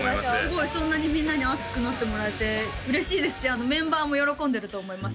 すごいそんなにみんなに熱くなってもらえて嬉しいですしメンバーも喜んでると思いますね